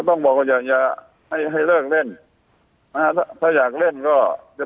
ต้องบอกว่า